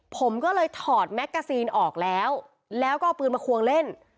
ผมก็เลยถอดแมกกาซีนออกแล้วแล้วก็เอาปืนมาควงเล่น